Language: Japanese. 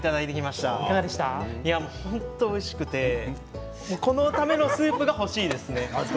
本当においしくてこのためのスープが欲しいですね。